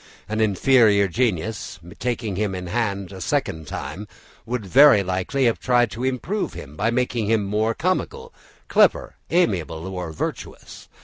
An inferior genius, taking him in hand a second time, would very likely have tried to improve him by making him more comical, clever, amiable, or virtuous.